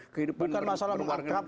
kehidupan luar negara